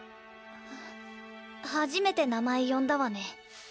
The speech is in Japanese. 初めて名前呼んだわね。